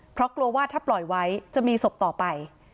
เพราะกลัวว่าถ้าปล่อยไว้จะมีศพต่อไป